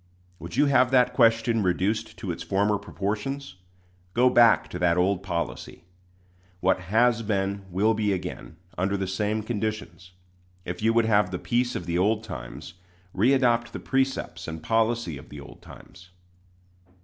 Would you have that question reduced to its former proportions? Go back to that old policy. What has been will be again, under the same conditions. If you would have the peace of the old times, readopt the precepts and policy of the old times.